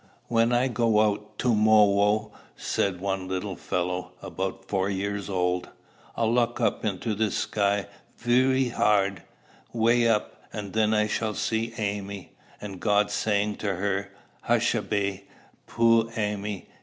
"When I go out to mowwow," said one little fellow, about four years old, "I'll look up into the sky vewy hard, wight up; and then I shall see Amy, and God saying to her, 'Hushaby, poo' Amy!